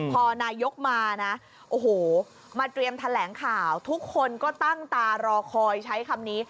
พอนายกมานะโอ้โหมาเตรียมแถลงข่าวทุกคนก็ตั้งตารอคอยใช้คำนี้